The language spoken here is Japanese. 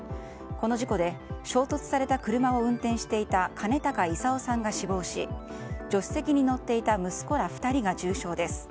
この事故で衝突された車を運転していた金高勲さんが死亡し助手席に乗っていた息子ら２人が重傷です。